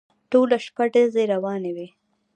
ټوله شپه ډزې روانې وې.